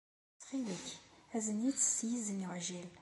Ttxil-k, azen-itt s yizen uɛjil.